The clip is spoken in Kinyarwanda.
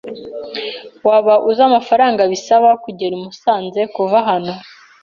Waba uzi amafaranga bisaba kugera i Musanze kuva hano?